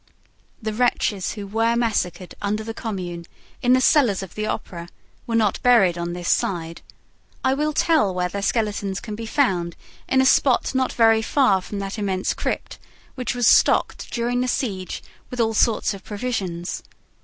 The wretches who were massacred, under the Commune, in the cellars of the Opera, were not buried on this side; I will tell where their skeletons can be found in a spot not very far from that immense crypt which was stocked during the siege with all sorts of provisions.